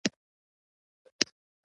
په یوه سینه کې دوه زړونه.